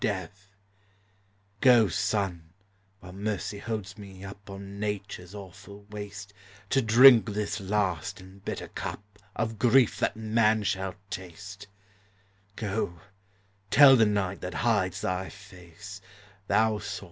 DEATH: IMMORTALITY: HEAVEN, 303 Go, Sim, while mercy holds me up On Nature's awful waste To drink this last and bitter cup Of grief that man shall taste, — Go, tell the night that hides thy face, Thou saw's!